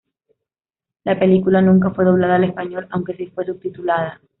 La película nunca fue doblada al español, aunque sí fue subtitulada.